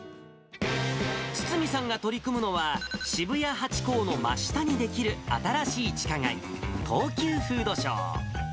堤さんが取り組むのは、渋谷ハチ公の真下に出来る、新しい地下街、東急フードショー。